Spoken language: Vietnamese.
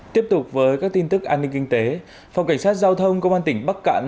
tiếp tục với các tin tức an ninh kinh tế phòng cảnh sát giao thông công an tỉnh bắc cạn